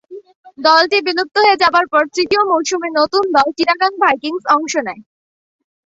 দলটি বিলুপ্ত হয়ে যাবার পর তৃতীয় মৌসুমে নতুন দল চিটাগাং ভাইকিংস অংশ নেয়।